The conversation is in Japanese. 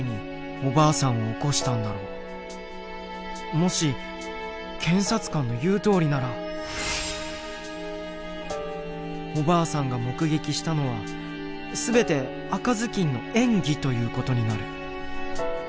もし検察官の言うとおりならおばあさんが目撃したのは全て赤ずきんの演技という事になる。